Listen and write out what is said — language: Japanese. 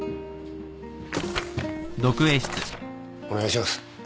お願いします。